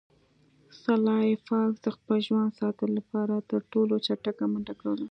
سلای فاکس د خپل ژوند ساتلو لپاره تر ټولو چټکه منډه کوله